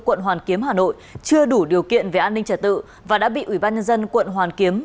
quận hoàn kiếm hà nội chưa đủ điều kiện về an ninh trả tự và đã bị ủy ban nhân dân quận hoàn kiếm